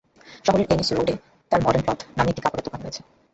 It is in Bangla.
শহরের এনএস রোডে তাঁর মডার্ন ক্লথ স্টোর নামে একটি কাপড়ের দোকান আছে।